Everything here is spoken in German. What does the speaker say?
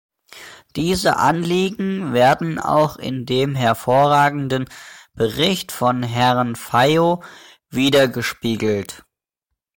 Diese Anliegen werden auch in dem hervorragenden Bericht von Herrn Feio widergespiegelt.